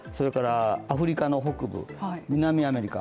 アフリカの北部南アメリカ